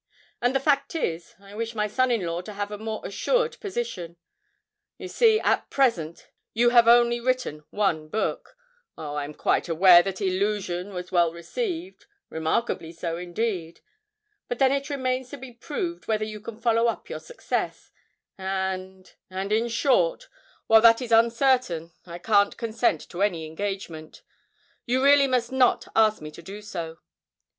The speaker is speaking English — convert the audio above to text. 'And the fact is, I wish my son in law to have a more assured position: you see, at present you have only written one book oh, I am quite aware that "Illusion" was well received remarkably so, indeed; but then it remains to be proved whether you can follow up your success, and and, in short, while that is uncertain I can't consent to any engagement; you really must not ask me to do so.'